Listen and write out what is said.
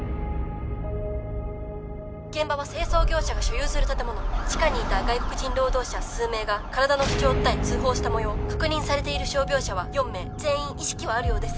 現場は清掃業者が所有する建物地下にいた外国人労働者数名が体の不調を訴え通報したもよう確認されている傷病者は４名全員意識はあるようです